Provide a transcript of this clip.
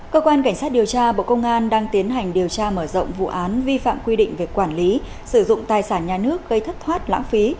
cơ quan cảnh sát điều tra bộ công an đang tiến hành điều tra mở rộng vụ án vi phạm quy định về quản lý sử dụng tài sản nhà nước gây thất thoát lãng phí